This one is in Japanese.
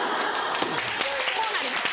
こうなります。